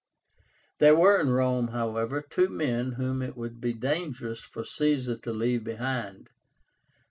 There were in Rome, however, two men whom it would be dangerous for Caesar to leave behind.